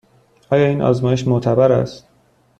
آیا این آزمایش معتبر است؟